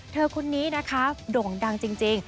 คนนี้นะคะโด่งดังจริง